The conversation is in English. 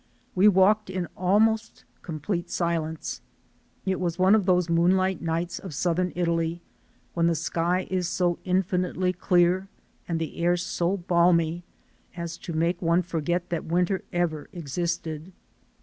We walked in almost complete silence. It was one of those moonlight nights of HOME! 307 Southern Italy, when the sky is so infinitely clear and the air so balmy as to make one forget that winter ever existed.